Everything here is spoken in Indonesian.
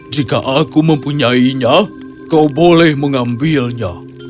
jika aku mempunyainya kau boleh mengambilnya